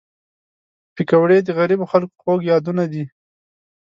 پکورې د غریبو خلک خوږ یادونه ده